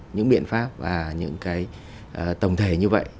những biện pháp và những cái tổng thể như vậy